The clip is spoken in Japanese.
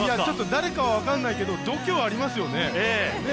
ちょっと誰かは分かりませんけど、度胸ありますよね。